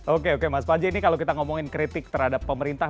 oke oke mas panji ini kalau kita ngomongin kritik terhadap pemerintah